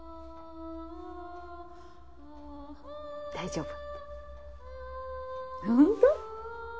大丈夫？